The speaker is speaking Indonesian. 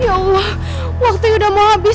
ya allah waktunya udah mau habis